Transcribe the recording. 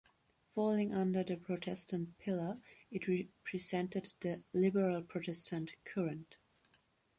Falling under the Protestant pillar, it represented the Liberal Protestant current.